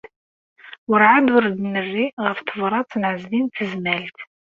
Werɛad ur d-nerri ɣef tebṛat n Ɛezdin n Tezmalt.